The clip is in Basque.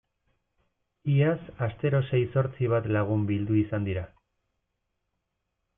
Iaz astero sei zortzi bat lagun bildu izan dira.